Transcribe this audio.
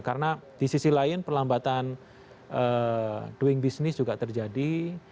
karena di sisi lain perlambatan doing business juga terjadi